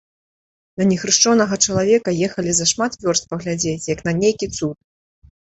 На нехрышчонага чалавека ехалі за шмат вёрст паглядзець, як на нейкі цуд.